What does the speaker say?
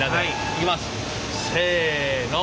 いきますせの。